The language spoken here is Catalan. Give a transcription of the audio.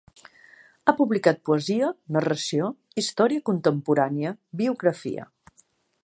Ha publicat poesia, narració, història contemporània, biografia.